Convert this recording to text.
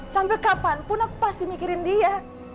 sampai kapan pun aku pasti mikirin dia